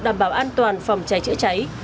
đảm bảo an toàn phòng cháy chữa cháy